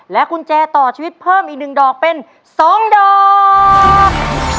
กุญแจต่อชีวิตเพิ่มอีก๑ดอกเป็น๒ดอก